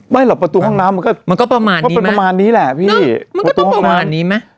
ไม่เหรอประตูห้องน้ำมันก็ประมาณนี้แหละมันก็ประมาณนี้มั้ย